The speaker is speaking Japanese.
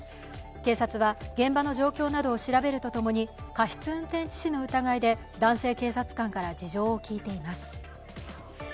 警察は現場の状況などを調べると共に、過失運転致死の疑いで男性警察官から事情を聞いています。